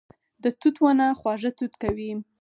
د توت ونه خواږه توت کوي